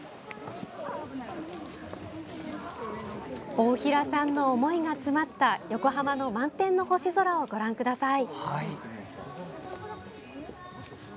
大平さんの思いが詰まった横浜の満天の星空をご覧ください。